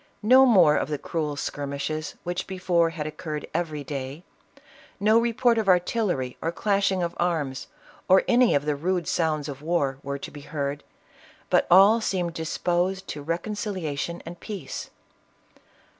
No more of the cruel skirmishes, which before had occurred every day ; no report of artillery or clashing of arms or any of the rude sounds of war were to be heard, but all seemed disposed to reconciliation and peace."